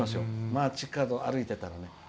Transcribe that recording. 街角歩いてたら。